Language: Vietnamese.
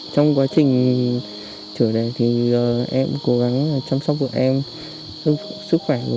con gắn ở nhờ dưới này thì con gắn ngoan thôi ạ